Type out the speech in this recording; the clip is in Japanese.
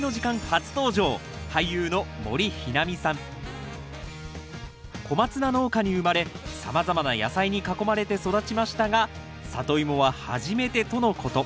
初登場コマツナ農家に生まれさまざまな野菜に囲まれて育ちましたがサトイモは初めてとのこと。